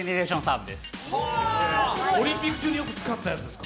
オリンピック中によく使ってたやつですか？